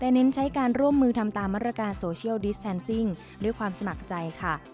เน้นใช้การร่วมมือทำตามมาตรการโซเชียลดิสแซนซิ่งด้วยความสมัครใจค่ะ